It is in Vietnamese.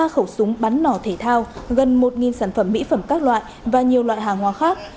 ba khẩu súng bắn nỏ thể thao gần một sản phẩm mỹ phẩm các loại và nhiều loại hàng hóa khác